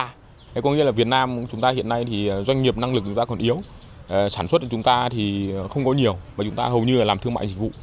thì doanh nghiệp năng lực của chúng ta còn yếu sản xuất của chúng ta thì không có nhiều mà chúng ta hầu như là làm thương mại dịch vụ